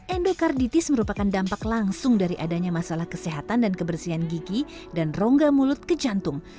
endokarditis merupakan dampak langsung dari adanya masalah kesehatan dan kebersihan gigi dan rongga mulut ke jantung